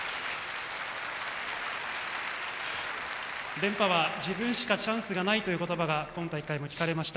連覇は自分しかチャンスがないという言葉が今大会も聞かれました。